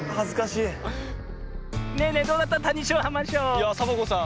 いやサボ子さん